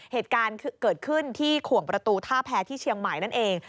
เหตุการณ์เกิดขึ้นที่ขวงประตูท่าแพ้ที่เชียงใหม่นั่นเอง